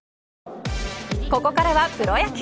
ここからはプロ野球。